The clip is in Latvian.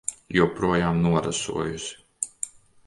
Joprojām norasojusi.